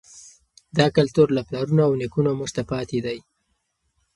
دا کلتور له پلرونو او نیکونو موږ ته پاتې دی.